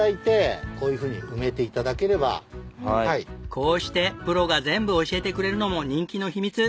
こうしてプロが全部教えてくれるのも人気の秘密。